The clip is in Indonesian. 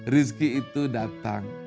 rizki itu datang